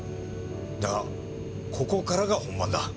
だが、ここからが本番だ。